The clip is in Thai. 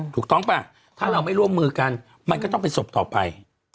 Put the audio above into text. ถูกต้องป่ะถ้าเราไม่ร่วมมือกันมันก็ต้องเป็นศพต่อไป